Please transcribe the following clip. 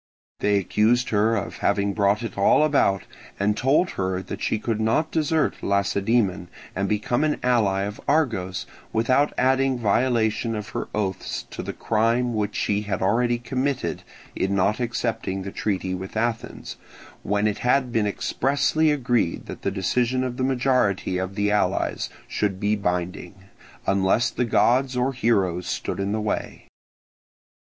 They accused her of having brought it all about, and told her that she could not desert Lacedaemon and become the ally of Argos, without adding violation of her oaths to the crime which she had already committed in not accepting the treaty with Athens, when it had been expressly agreed that the decision of the majority of the allies should be binding, unless the gods or heroes stood in the way.